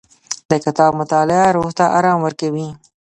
د کتاب مطالعه روح ته ارام ورکوي.